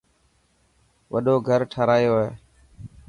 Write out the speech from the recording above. وڏو گهر ٺارايو هي.